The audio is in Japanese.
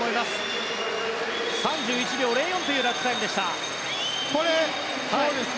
直近は３１秒０４というラップタイムでした。